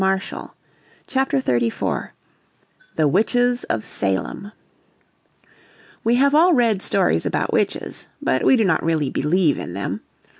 __________ Chapter 34 The Witches of Salem We have all read stories about witches, but we do not really believe in them.